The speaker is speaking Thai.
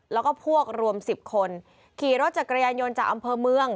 แล้วก็พวกรวมสิบคนขี่รถจักรยานยนต์จากอำเภอเมือง